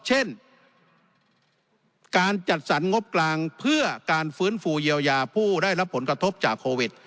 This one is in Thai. เช่นการจัดสรรงบกลางเพื่อการฟื้นฟูเยียวยาผู้ได้รับผลกระทบจากโควิด